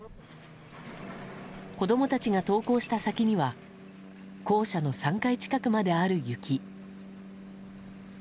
子供たちが登校した先には校舎の３階近くまである雪。